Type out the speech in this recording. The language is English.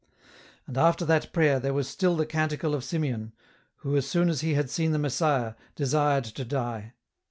And after that prayer there was still the canticle of Simeon, who, as soon as he had seen the Messiah, desired to die.